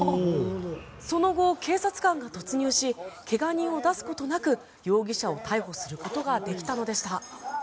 その後、警察官が突入し怪我人を出すことなく容疑者を逮捕することができたのでした。